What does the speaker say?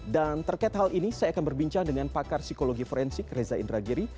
dan terkait hal ini saya akan berbincang dengan pakar psikologi forensik reza indragiri